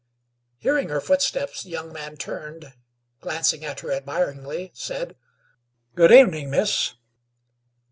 Hearing her footsteps, the young man turned, glancing at her admiringly, said: "Good evening, Miss."